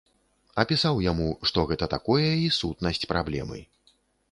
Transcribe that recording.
Апісаў яму, што гэта такое і сутнасць праблемы.